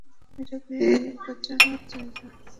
এটা বিপজ্জনক জায়গা।